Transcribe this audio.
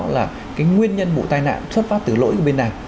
là cái nguyên nhân vụ tai nạn xuất phát từ lỗi của bên này